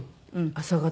朝方。